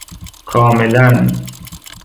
کاملا ً